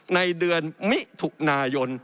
ในเดือนมิถุนายน